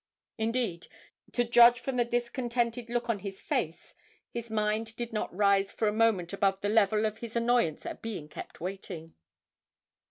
Indeed, to judge from the discontented look on his face, his mind did not rise for a moment above the level of his annoyance at being kept waiting.